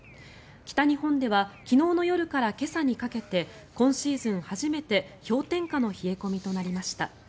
北日本では昨日の夜から今朝にかけて今シーズン初めて氷点下の冷え込みとなりました。